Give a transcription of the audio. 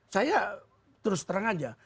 saya terus terang saja